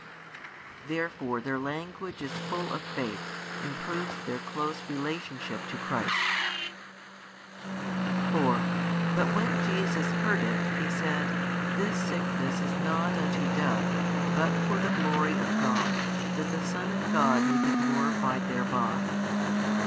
Therefore their language is full of faith and proves their close relationship to Christ. 4 But when Jesus heard it, He said, This sickness is not unto death, but for the glory of God, that the Son of God may be glorified thereby.